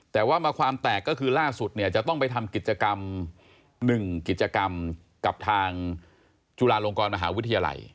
แต่ว่ามาความแตกก็คือล่าสุดเนี่ยจะต้องไปทำกิจกรรม๑กิจกรรมกับทางจุฬาลงกรมหาวิทยาลัย